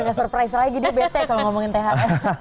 agak surprise lagi dia bete kalau ngomongin thr